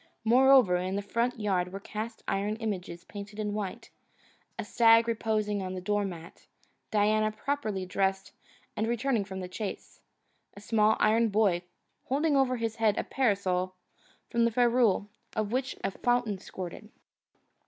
Moreover, in the front yard were cast iron images painted white: a stag reposing on a door mat; Diana properly dressed and returning from the chase; a small iron boy holding over his head a parasol from the ferrule of which a fountain squirted.